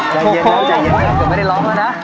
ใจเย็นเกือบไม่ได้ร้องแล้วนะ